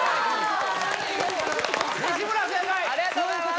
西村正解ありがとうございます